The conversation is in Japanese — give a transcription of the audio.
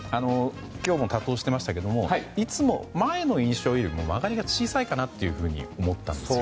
今日も多投してましたけれどもいつも、前の印象よりも曲がりが小さいかなと思ったんですよ。